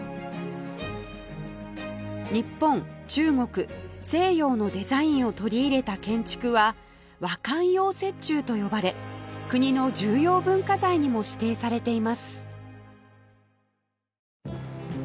日本中国西洋のデザインを取り入れた建築は和漢洋折衷と呼ばれ国の重要文化財にも指定されています